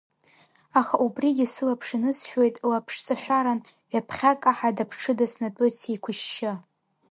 Аха убригьы сылаԥш иныҵшәоит лаԥшҵашәаран, ҩаԥхьа каҳада-ԥҽыда снатәоит сеиқәышьшьы.